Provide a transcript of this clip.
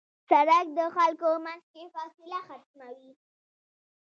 سړک د خلکو منځ کې فاصله ختموي.